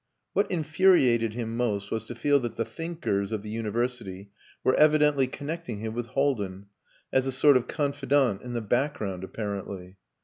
What infuriated him most was to feel that the "thinkers" of the University were evidently connecting him with Haldin as a sort of confidant in the background apparently.